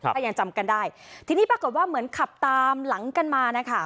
ถ้ายังจำกันได้ทีนี้ปรากฏว่าเหมือนขับตามหลังกันมานะคะ